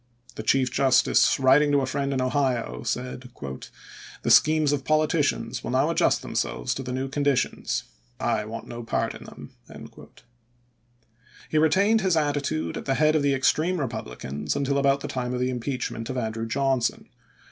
The Chief Justice, writing to a friend in Ohio, said :" The schemes of politi cians will now adjust themselves to the new condi tions. I want no part in them." He retained his attitude at the head of the ex treme Eepublicans until about the time of the im peachment of Andrew Johnson.